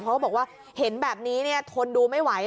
เขาบอกว่าเห็นแบบนี้ทนดูไม่ไหว